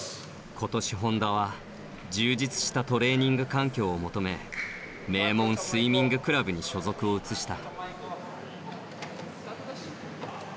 今年本多は充実したトレーニング環境を求め名門スイミングクラブに所属を移した。